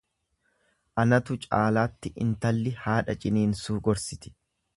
Anatu caalaatti intalli haadha ciininsuu gorsiti.